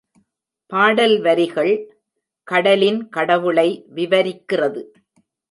பாடல் வரிகள், கடலின் கடவுளை விவரிக்கிறது.